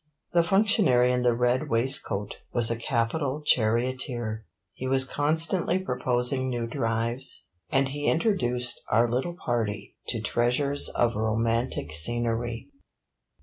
The functionary in the red waistcoat was a capital charioteer; he was constantly proposing new drives, and he introduced our little party to treasures of romantic scenery.